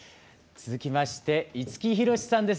続きまして五木ひろしさんです。